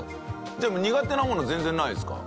じゃあ苦手なもの全然ないですか？